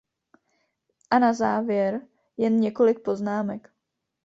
A na závěr jen několik poznámek.